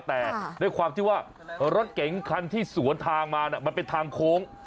แต่ด้วยความที่ว่ารถเก๋งคันที่สวนทางมามันเป็นทางโค้ง